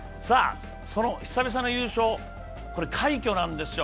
久々の優勝、快挙なんですよ。